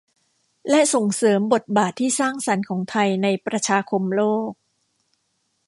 และส่งเสริมบทบาทที่สร้างสรรค์ของไทยในประชาคมโลก